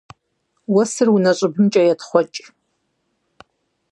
Уэсыр унэ щӏыбымкӏэ етхъуэкӏ.